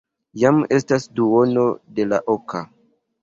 Jam estas duono de la oka.